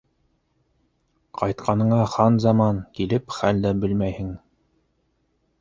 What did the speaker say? Ҡайтҡаныңа хан заман, килеп хәл дә белмәйһең.